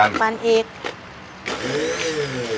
ปั่นอีก